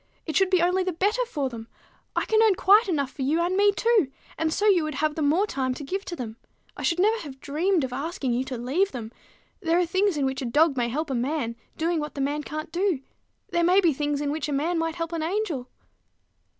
It should be only the better for them all. I can earn quite enough for you and me too, and so you would have the more time to give to them. I should never have dreamed of asking you to leave them. There are things in which a dog may help a man, doing what the man can't do: there may be things in which a man might help an angel."